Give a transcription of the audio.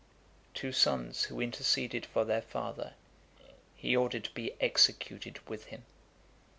Two sons who interceded for their father, he ordered to be executed with him.